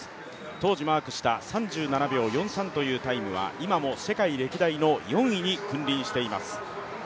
当時マークした３７秒４３というタイムは今も世界歴代の４位に君臨しています。